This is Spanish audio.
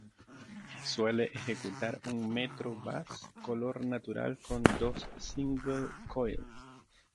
Suele ejecutar un Metro Bass color natural con dos single coil.